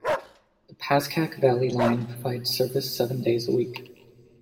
The Pascack Valley Line provides service seven days a week.